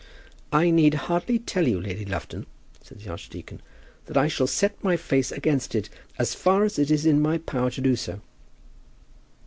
"I need hardly tell you, Lady Lufton," said the archdeacon, "that I shall set my face against it as far as it is in my power to do so."